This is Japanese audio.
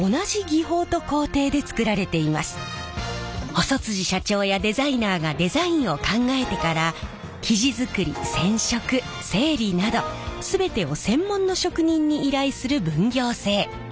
細社長やデザイナーがデザインを考えてから生地作り染色整理など全てを専門の職人に依頼する分業制。